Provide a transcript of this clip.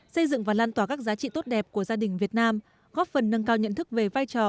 xây dựng và lan tỏa các giá trị tốt đẹp của gia đình việt nam góp phần nâng cao nhận thức về vai trò